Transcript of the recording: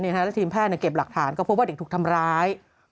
และทีมแพทย์เก็บหลักฐานก็พบว่าเด็กถูกทำร้าย